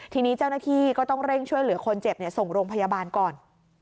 ทีนี้เจ้าหน้าที่ก็ต้องเร่งช่วยเหลือคนเจ็บส่งโรงพยาบาลก่อน